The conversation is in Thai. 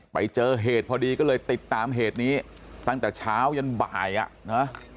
ไปเจอเหตุพอดีก็เลยติดตามเหตุนี้ตั้งแต่เช้ายันบ่ายอ่ะนะ